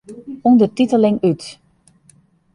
Undertiteling út.